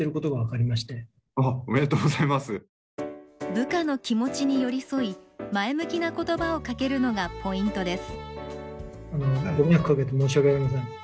部下の気持ちに寄り添い前向きな言葉をかけるのがポイントです。